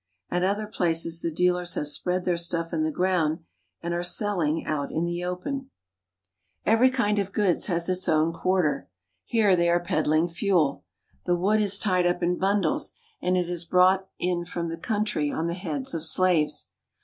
At other places the i tealers have spread their stuff on the ground and are elling out in the open. 1 80 AFRICA Every kind of goods has its own quarter. Here they are peddling fuel. The wood is tied up in bundles, and it has been brought in from the country on the heads of slaves.